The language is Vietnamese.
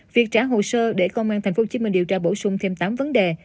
việc trả hồ sơ để công an tp hcm điều tra bổ sung thêm tám vấn đề